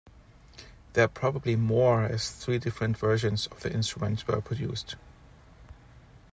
There are probably more as three different versions of the instrument were produced.